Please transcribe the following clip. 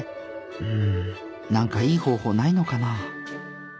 うんなんかいい方法ないのかな？